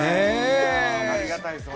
ありがたいです。